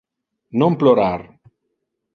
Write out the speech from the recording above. Non plorar.